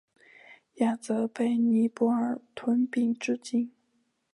亚泽被尼泊尔吞并至今。